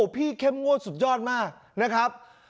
เข้มงวดสุดยอดมากนะครับ